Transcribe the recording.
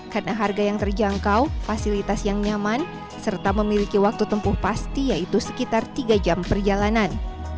karena harga yang terjangkau fasilitas yang nyaman serta memiliki waktu tempuh pasti yaitu sekitar tiga jam perjalanan